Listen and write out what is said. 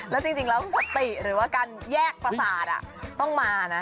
แล้วจริงแล้วสติหรือว่าการแยกประสาทต้องมานะ